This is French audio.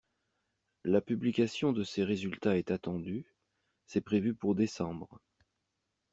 La publication de ses résultats est attendue, c’est prévu pour décembre.